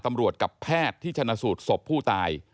กับแพทย์ที่ชนะสูตรศพผู้ตาย